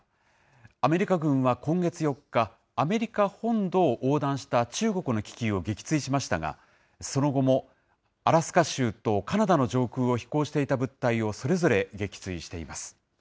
アメリカ軍は今月４日、アメリカ本土を横断した中国の気球を撃墜しましたが、その後も、アラスカ州とカナダの上空を飛行していた物体を、それぞれ撃墜しています。